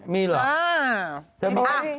มีเหรอ